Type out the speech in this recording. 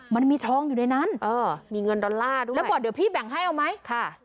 มันมีทองอยู่ในนั้นหรือเปล่าเดี๋ยวพี่แบ่งให้เอาไหมค่ะ